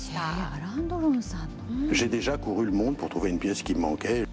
アラン・ドロンさん？